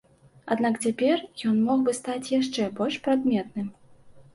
Аднак цяпер ён мог бы стаць яшчэ больш прадметным.